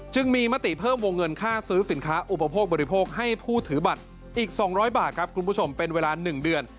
จึงมีมติเพิ่มวงเงินค่าซื้อสินค้าอุปโภคบริโภคให้ผู้ถือบัตรอีก๒๐๐บาทครับคุณผู้ชมเป็นเวลา๑เดือน